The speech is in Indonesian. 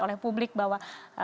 oleh publik bahwa